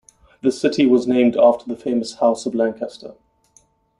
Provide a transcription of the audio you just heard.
The city was named after the famous House of Lancaster.